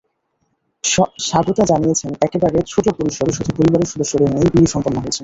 স্বাগতা জানিয়েছেন, একেবারে ছোট পরিসরে, শুধু পরিবারের সদস্যদের নিয়েই বিয়ে সম্পন্ন হয়েছে।